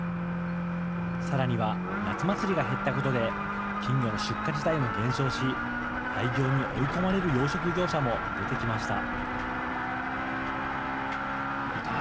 さらには夏祭りが減ったことで金魚の出荷自体も減少し、廃業に追い込まれる養殖業者も出てきました。